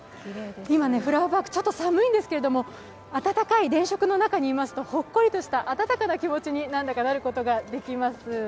今、フラワーパーク、ちょっと寒いんですけど、温かい電飾の中にいると温かな気持ちに、なんだかなることができます。